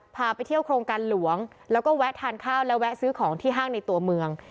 พาไปเที่ยวโครงการหลวงแล้วก็แวะทานข้าวและแวะซื้อของที่ห้างในตัวเมือง